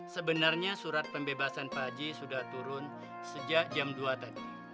sebenarnya surat pembebasan paji sudah turun sejak jam dua tadi